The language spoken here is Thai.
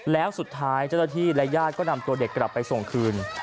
แล้วสุดท้ายเจ้าหน้าที่และญาติก็นำตัวเด็กกลับไปส่งคืน